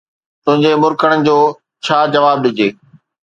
تنھنجي مُرڪڻ جو ڇا جواب ڏجي.